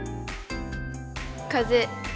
「風」。